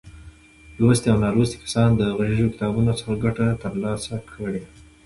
لوستي او نالوستي کسان د غږیزو کتابونو څخه ګټه تر لاسه کړي.